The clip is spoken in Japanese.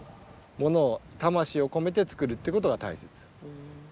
ものを魂を込めて作るってことがたいせつ。